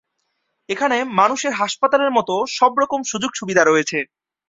এখানে মানুষের হাসপাতালের মতো সবরকম সুযোগ-সুবিধা রয়েছে।